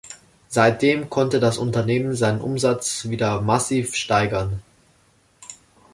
Seitdem konnte das Unternehmen seinen Umsatz wieder massiv steigern.